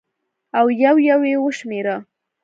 او یو یو یې وشمېره